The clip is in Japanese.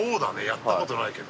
やった事ないけど。